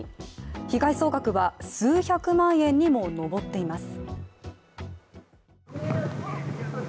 被害総額は数百万円にも上っています。